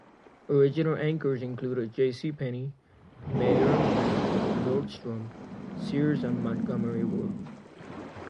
Original anchors included J. C. Penney, Meier and Frank, Nordstrom, Sears and Montgomery Ward.